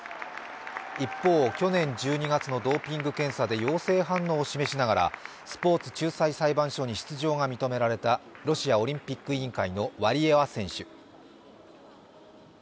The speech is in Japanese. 一方、去年１２月のドーピング検査で陽性反応を示しながらスポーツ仲裁裁判所に出場が認められたロシアオリンピック委員会のワリエワ選手。